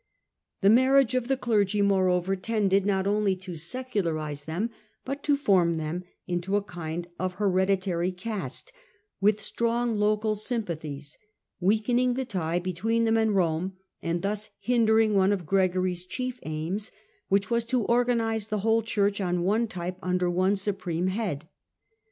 The marriage of the clergy, moreover, tended, not only to secularise them, but to form them into a kind of hereditary caste, with strong local sympathies, weakening the tie between them and Rome, and thus hindering one of Gregory's chief aims, which was to organise the whole Church on one type under one supreme head.